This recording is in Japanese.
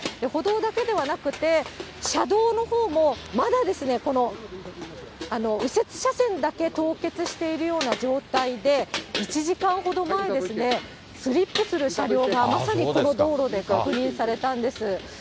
歩道だけではなくて、車道のほうもまだこの右折車線だけ凍結しているような状態で、１時間ほど前ですね、スリップする車両が、まさにこの道路で確認されたんです。